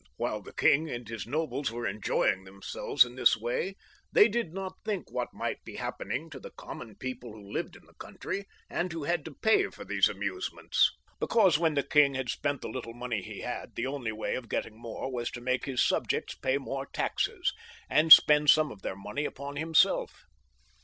While the king and his nobles were enjoying themselves in this way, they did not think what might be happening to the common people who lived in the country, and who had to pay for these amusements ; because when the king had spent the little money he had, the only way of getting more was to make his subjects pay more taxes, and spend some of their money upon himself.